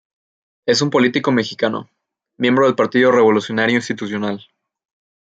Es un político mexicano, miembro del Partido Revolucionario Institucional.